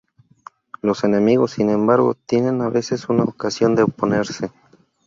Los enemigos, sin embargo, tienen a veces una ocasión de oponerse.